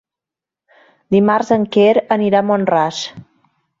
Dimarts en Quer anirà a Mont-ras.